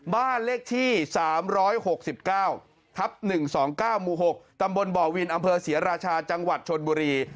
บ้านเลขที่๓๖๙ทับ๑๒๙หมู่๖ตำบลบ่อวินอำเภอศรีราชาจังหวัดชนบุรี